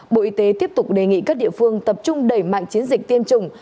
bộ y tế tiếp tục đề nghị các địa phương tập trung đẩy mạnh chiến dịch tiêm chủng